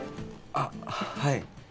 あっはい。